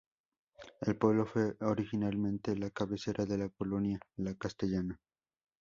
El pueblo fue originalmente la cabecera de la Colonia La Castellana.